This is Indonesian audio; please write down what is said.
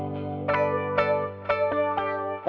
terima kasih om